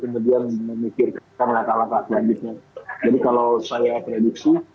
jadi kalau saya prediksi